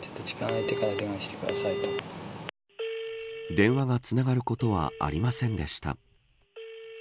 電話がつながることはありませんでした。